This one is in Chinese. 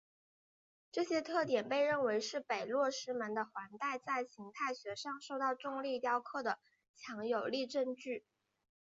这些特点被认为是北落师门的环带在形态学上受到重力雕刻的强有力证据。